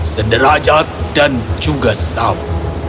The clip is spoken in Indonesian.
sederajat dan juga sama